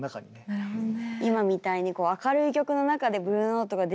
なるほどね。